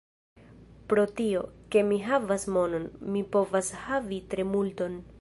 Pro tio, ke mi havas monon, mi povas havi tre multon.